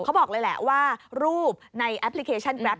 เขาบอกเลยแหละว่ารูปในแอปพลิเคชันแกรป